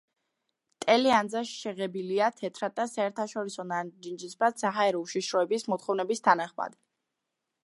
ტელეანძა შეღებილია თეთრად და საერთაშორისო ნარინჯისფრად საჰაერო უშიშროების მოთხოვნების თანახმად.